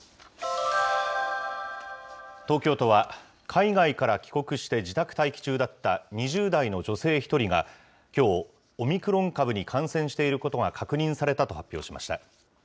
東京都は海外から帰国して自宅待機中だった２０代の女性１人が、きょうオミクロン株に感染していることが確認されたと発表しました。